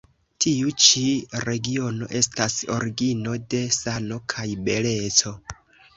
Tiu ĉi regiono estas origino de sano kaj beleco.